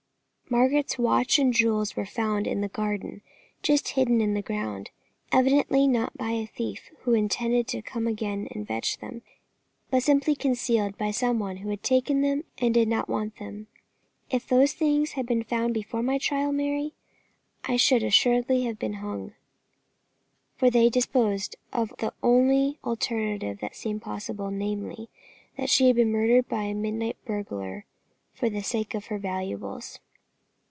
Margaret's watch and jewels were found in the garden, just hidden in the ground, evidently not by a thief who intended to come again and fetch them, but simply concealed by some one who had taken them and did not want them. If those things had been found before my trial, Mary, I should assuredly have been hung, for they disposed of the only alternative that seemed possible, namely, that she had been murdered by a midnight burglar for the sake of her valuables."